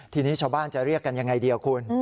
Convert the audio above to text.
ทีนี้ชาวบ้านจะเรียกกันยังไงเดียวคุณ